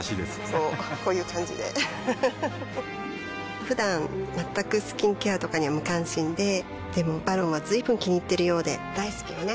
こうこういう感じでうふふふだん全くスキンケアとかに無関心ででも「ＶＡＲＯＮ」は随分気にいっているようで大好きよね